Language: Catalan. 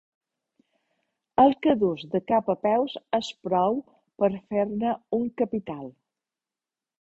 El que dus de cap a peus és prou per fer-ne un capital.